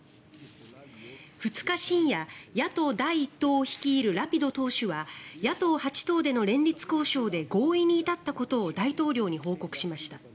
２日深夜、野党第１党を率いるラピド党首は野党８党での連立交渉で合意に至ったことを大統領に報告しました。